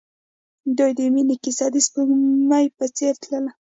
د دوی د مینې کیسه د سپوږمۍ په څېر تلله.